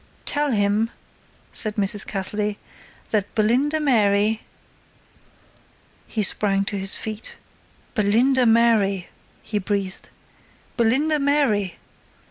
"'Tell him,'" said Mrs. Cassley, "'that Belinda Mary '" He sprang to his feet. "Belinda Mary!" he breathed, "Belinda Mary!"